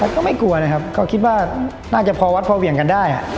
ก็ไม่กลัวนะครับก็คิดว่าน่าจะพอวัดพอเหวี่ยงกันได้